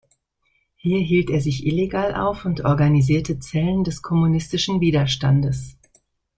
Hier hielt er sich illegal auf und organisierte Zellen des kommunistischen Widerstandes.